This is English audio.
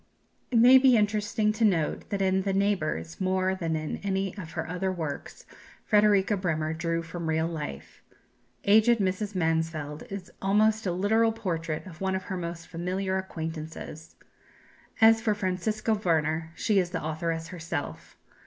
It may be interesting to note that in "The Neighbours," more than in any of her other works, Frederika Bremer drew from real life. Aged Mrs. Mansfeld is almost a literal portrait of one of her most familiar acquaintances. As for Francisca Werner, she is the authoress herself.